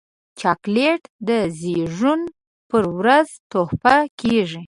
چاکلېټ د زیږون پر ورځ تحفه کېږي.